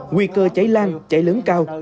nguy cơ cháy lan cháy lớn cao